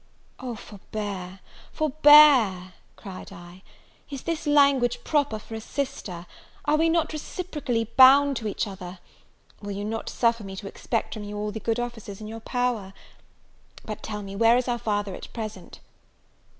"Oh, forbear, forbear," cried I, "is this language proper for a sister? are we not reciprocally bound to each other? Will you not suffer me to expect from you all the good offices in your power? But tell me, where is our father at present?"